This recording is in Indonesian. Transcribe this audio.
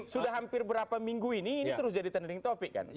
sudah hampir berapa minggu ini ini terus jadi trending topic kan